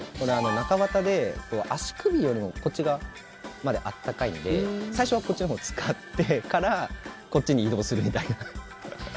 中綿で足首よりもこっち側まで温かいので最初はこっちのほうを使ってからこっちに移動するみたいな。